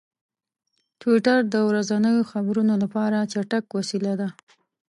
ټویټر د ورځنیو خبرونو لپاره چټک وسیله ده.